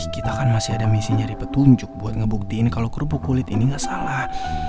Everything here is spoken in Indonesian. kita kan masih ada misi nyari petunjuk buat ngebuktiin kalau kerupuk kulit ini nggak salah